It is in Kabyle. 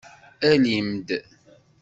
Alim-d!